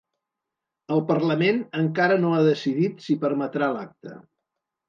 El parlament encara no ha decidit si permetrà l’acte.